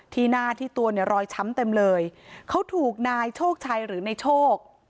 ที่หน้าที่ตัวเนี่ยรอยช้ำเต็มเลยเขาถูกนายโชคชัยหรือในโชค